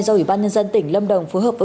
do ủy ban nhân dân tỉnh lâm đồng phối hợp với